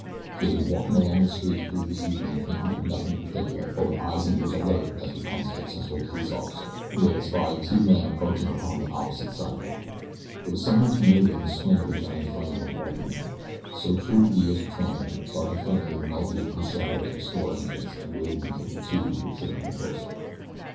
He had been walking along the street the previous evening thinking of nothing in particular; but with eyes and ears alert as becomes a successful police officer, when he had espied two men approaching upon the opposite sidewalk. There was something familiar in the swing of the giant frame of one of the men. So, true to years of training, Sergeant Flannagan melted into the shadows of a store entrance and waited until the two should have come closer.